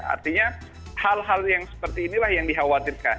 artinya hal hal yang seperti inilah yang dikhawatirkan